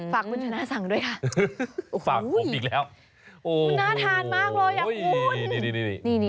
ฝากคุณชนะสั่งด้วยค่ะฝากผมอีกแล้วมันน่าทานมากเลยอ่ะคุณ